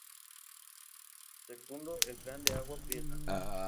Secundó el Plan de Agua Prieta.